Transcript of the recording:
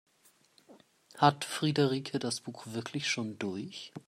Hat Friederike das Buch wirklich schon durch?